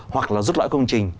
hoặc là rút lõi công trình